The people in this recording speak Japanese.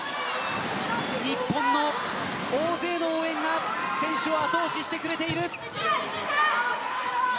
日本の大勢の応援が選手を後押ししてくれている。